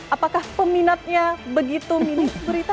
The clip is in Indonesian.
apakah peminatnya begitu mini bu rita